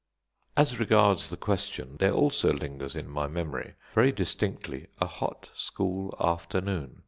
As regards the question, there also lingers in my memory very distinctly a hot school afternoon.